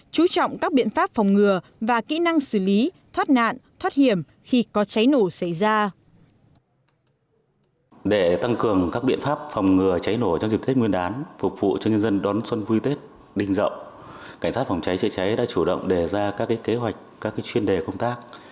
chú trọng các biện pháp phòng ngừa và kỹ năng xử lý thoát nạn thoát hiểm khi có cháy nổ xảy ra